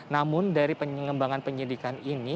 namun dari pengembangan penyidikan ini